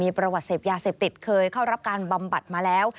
ประวัติเสพยาเสพติดเคยเข้ารับการบำบัดมาแล้ว